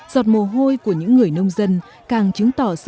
giọt mồ hôi của những người nông dân càng chứng tỏ sự khó khăn